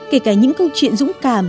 kể cả những câu chuyện dũng cảm